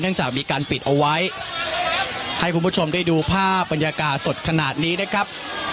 จากมีการปิดเอาไว้ให้คุณผู้ชมได้ดูภาพบรรยากาศสดขนาดนี้นะครับ